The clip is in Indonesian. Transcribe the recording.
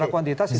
kuantitas ini ya